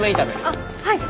あっはい。